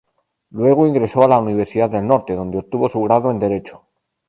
Luego ingresó a la Universidad del Norte, donde obtuvo su grado en Derecho.